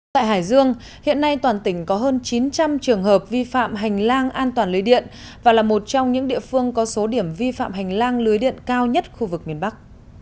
tại hải dương hiện nay toàn tỉnh có hơn chín trăm linh trường hợp vi phạm hành lang an toàn lưới điện và là một trong những địa phương có số điểm vi phạm hành lang lưới điện cao nhất khu vực miền bắc